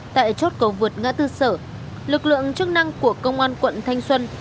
tại chốt cầu vượt ngã tư sở lực lượng chức năng của công an quận thanh xuân